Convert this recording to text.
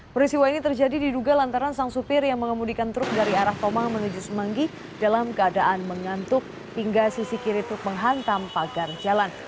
perisiwa ini terjadi diduga lantaran sang supir yang mengemudikan truk dari arah tomang menuju semanggi dalam keadaan mengantuk hingga sisi kiri truk menghantam pagar jalan